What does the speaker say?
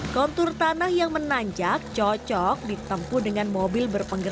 kontur tanah yang menanjak cocok ditempu dengan mobil berbentuk